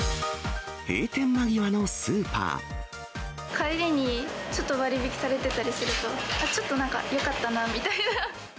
帰りにちょっと割り引きされてたりすると、ちょっとなんか、よかったなみたいな。